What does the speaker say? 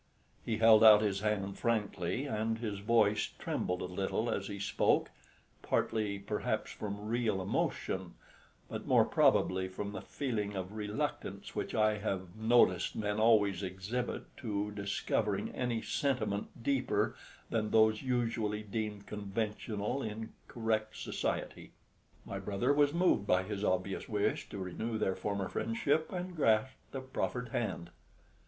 He held out his hand frankly, and his voice trembled a little as he spoke partly perhaps from real emotion, but more probably from the feeling of reluctance which I have noticed men always exhibit to discovering any sentiment deeper than those usually deemed conventional in correct society. My brother was moved by his obvious wish to renew their former friendship, and grasped the proffered hand.